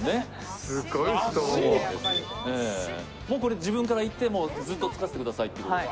自分からいって、ずっとつかせてくださいって。